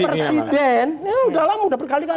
bahwa presiden ya sudah lama sudah berkali kali